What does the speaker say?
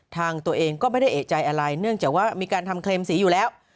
ตัวเองก็ไม่ได้เอกใจอะไรเนื่องจากว่ามีการทำเคลมสีอยู่แล้ว